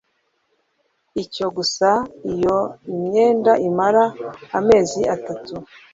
icyo gusa Iyo imyenda imara amezi atatu